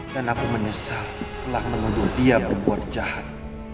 dan aku menyesal telah mengundur dia berbuat jahat